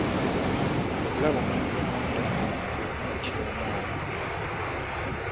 Okulaba omuntu munda kwe kumuttira omwana.